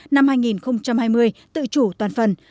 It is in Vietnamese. năm hai nghìn hai mươi tự chủ toàn phần